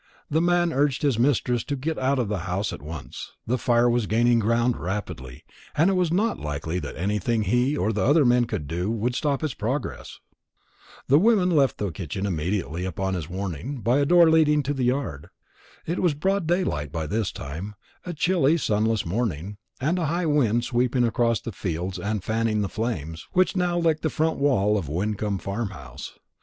The man urged his mistress to get out of the house at once; the fire was gaining ground rapidly, and it was not likely that anything he or the other men could do would stop its progress. The women left the kitchen immediately upon this warning, by a door leading into the yard. It was broad daylight by this time; a chilly sunless morning, and a high wind sweeping across the fields and fanning the flames, which now licked the front wall of Wyncomb Farmhouse.